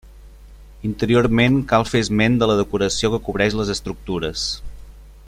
Interiorment cal fer esment de la decoració que cobreix les estructures.